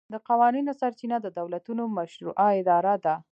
د قوانینو سرچینه د دولتونو مشروعه اراده ده